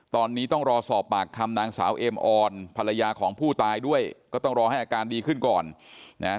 ตอนนี้ต้องรอสอบปากคำนางสาวเอมออนภรรยาของผู้ตายด้วยก็ต้องรอให้อาการดีขึ้นก่อนนะฮะ